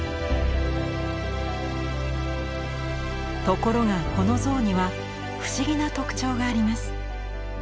ところがこの像には不思議な特徴があります。